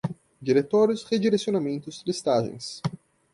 diretórios, redirecionamentos, listagens